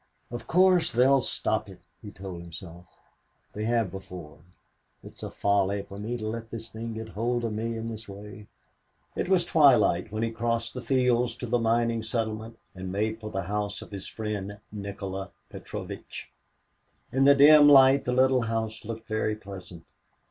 "Of course, they'll stop it," he told himself; "they have before. It is folly for me to let this thing get hold of me in this way." It was twilight when he crossed the fields to the mining settlement and made for the house of his friend Nikola Petrovitch. In the dim light the little house looked very pleasant.